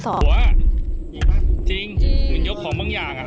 หัวอ่ะจริงมันยกของบ้างอย่างอ่ะ